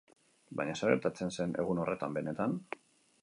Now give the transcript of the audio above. Baina, zer gertatu zen egun horretan benetan?